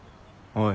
おい。